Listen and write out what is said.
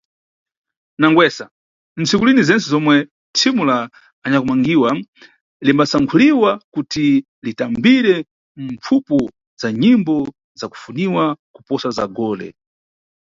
Nangwesa, ni ntsikulini zentse zomwe thimu la anyakumangiwa limbasankhuliwa kuti litambire mpfupo za nyimbo za kufuniwa kuposa za gole.